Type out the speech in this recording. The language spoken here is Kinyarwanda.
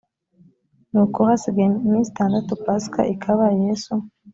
nuko hasigaye iminsi itandatu pasika ikaba yesu